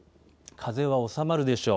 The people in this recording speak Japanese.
風は収まるでしょう。